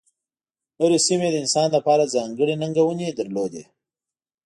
هرې سیمې د انسان لپاره ځانګړې ننګونې لرلې.